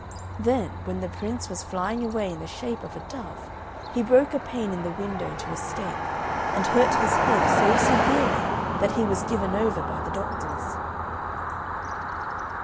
Then, when the Prince was flying away in the shape of a dove, he broke a pane in the window to escape, and hurt his head so severely that he was given over by the doctors.